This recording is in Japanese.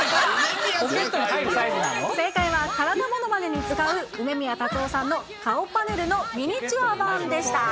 正解は、体ものまねに使う、梅宮辰夫さんの顔パネルのミニチュア版でした。